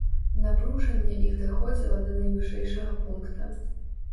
Напружанне іх даходзіла да найвышэйшага пункта.